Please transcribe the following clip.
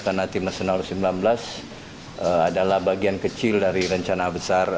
karena timnas nalus sembilan belas adalah bagian kecil dari rencana besar